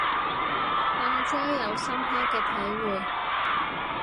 阿姐有深刻嘅體會